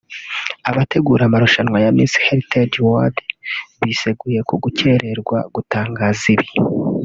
Abategura amarushanwa ya Miss Heritage World biseguye ku gucyererwa gutangaza ibi